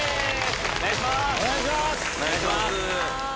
お願いします！